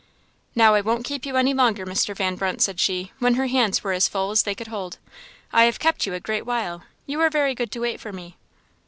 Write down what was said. "Now, I won't keep you any longer, Mr. Van Brunt," said she, when her hands were as full as they could hold; "I have kept you a great while; you are very good to wait for me."